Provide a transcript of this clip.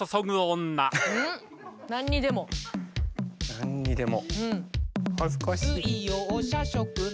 何にでも。